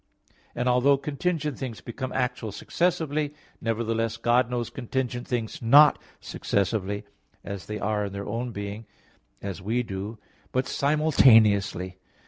And although contingent things become actual successively, nevertheless God knows contingent things not successively, as they are in their own being, as we do but simultaneously.